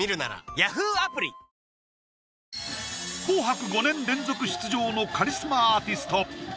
「紅白」５年連続出場のカリスマアーティスト